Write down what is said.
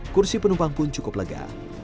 kursi penumpang pun cukup lega